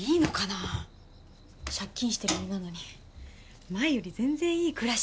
あ借金してる身なのに前より全然いい暮らし